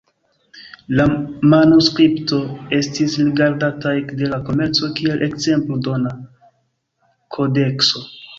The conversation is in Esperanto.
La manuskripto estis rigardata ekde la komenco kiel ekzemplo-dona kodekso.